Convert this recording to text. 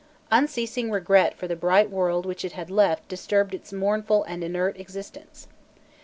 Unceasing regret for the bright world which it had left disturbed its mournful and inert existence.